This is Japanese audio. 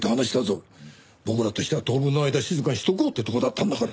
僕らとしては当分の間静かにしておこうってとこだったんだから。